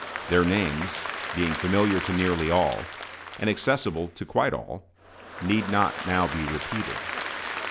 Their names, being familiar to nearly all, and accessible to quite all, need not now be repeated.